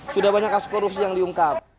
sudah banyak kasus korupsi yang diungkap